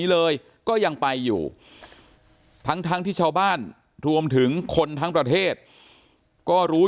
เลยก็ยังไปอยู่ทั้งที่ชาวบ้านรวมถึงคนทั้งประเทศก็รู้